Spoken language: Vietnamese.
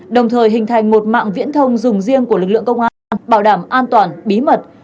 đồng thời hình thành một mạng viễn thông dùng riêng của lực lượng công an bảo đảm an toàn bí mật